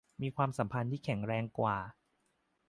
มีความสัมพันธ์ที่แข็งแรงกว่า